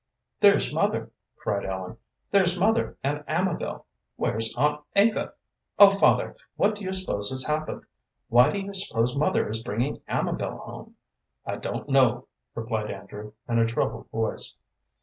"There's mother," cried Ellen; "there's mother and Amabel. Where's Aunt Eva? Oh, father, what do you suppose has happened? Why do you suppose mother is bringing Amabel home?" "I don't know," replied Andrew, in a troubled voice.